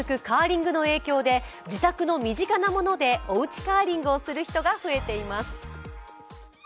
カーリングの影響で自宅の身近なものでおうちカーリングをする人が増えています。